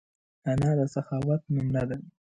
انا د سخاوت نمونه ده